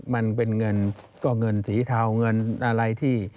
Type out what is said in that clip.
มันเป็นเงินก็เงินสีเทาเงินอะไรที่